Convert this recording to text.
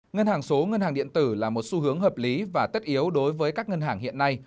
ngân hàng số ngân hàng điện tử là một xu hướng hợp lý và tất yếu đối với các ngân hàng hiện nay